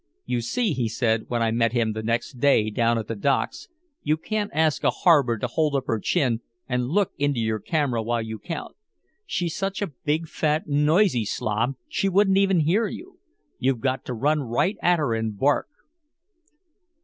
"You see," he said, when I met him the next day down at the docks, "you can't ask a harbor to hold up her chin and look into your camera while you count. She's such a big fat noisy slob she wouldn't even hear you. You've got to run right at her and bark."